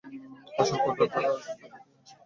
আসল টা কোথায় আমি সত্যিই জানি নাহ।